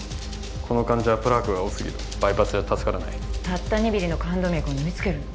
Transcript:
この患者はプラークが多すぎるバイパスじゃ助からないたった２ミリの冠動脈を縫い付けるの？